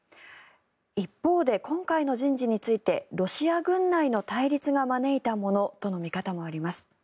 一方で今回の人事についてロシア軍内の対立が招いたものとの見方もあります。